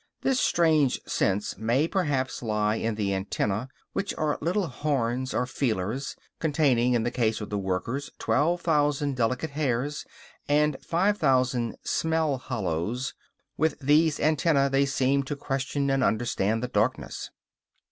This strange sense may perhaps lie in the antennæ, which are little horns, or feelers, containing, in the case of the workers, 12,000 delicate hairs and 5,000 "smell hollows"; with these antennæ they seem to question and understand the darkness.